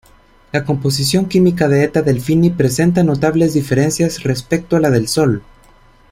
La composición química de Eta Delphini presenta notables diferencias respecto a la del Sol.